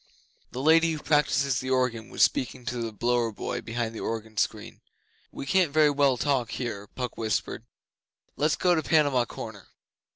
The Lady who practices the organ was speaking to the blower boy behind the organ screen. 'We can't very well talk here,' Puck whispered. 'Let's go to Panama Corner.